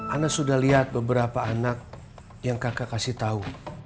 ana sudah lihat beberapa anak yang kakak kasih tahu